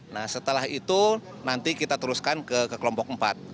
nah setelah itu nanti kita teruskan ke kelompok empat